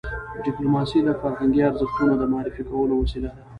ډيپلوماسي د فرهنګي ارزښتونو د معرفي کولو وسیله ده.